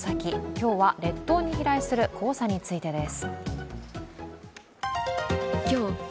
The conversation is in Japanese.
今日は列島に飛来する黄砂についてです。